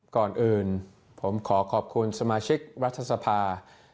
ก่อนอื่นผมขอขอบคุณสมาชิกรัฐสภา